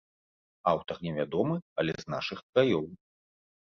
Аўтар невядомы, але з нашых краёў.